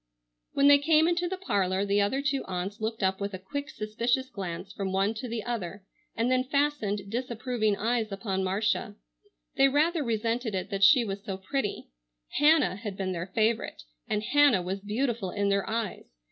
When they came into the parlor the other two aunts looked up with a quick, suspicious glance from one to the other and then fastened disapproving eyes upon Marcia. They rather resented it that she was so pretty. Hannah had been their favorite, and Hannah was beautiful in their eyes.